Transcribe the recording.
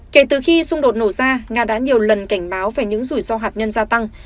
kể từ khi xung đột nổ ra nga đã nhiều lần cảnh báo về những rủi ro hạt nhân gia tăng